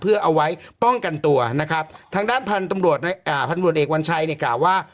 เพื่อเอาไว้ป้องกันตัวทางด้านพาวุฒิอีกวันชัยกล่าวว่า